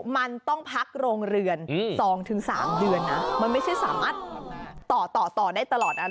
มันต้องพักโรงเรือน๒๓เดือนนะมันไม่ใช่สามารถต่อต่อได้ตลอดอะไร